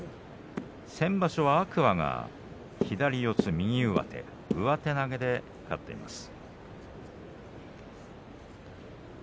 先場所は天空海が左四つ、右上手、上手投げで勝っています。